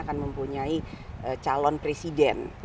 akan mempunyai calon presiden